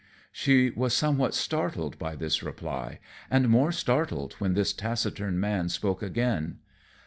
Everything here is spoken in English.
She was somewhat startled by this reply, and more startled when this taciturn man spoke again.